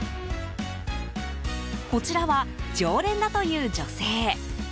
こちらは、常連だという女性。